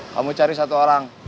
kamu cari satu orang